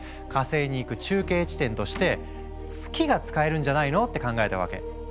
火星に行く中継地点として月が使えるんじゃないの？って考えたわけ。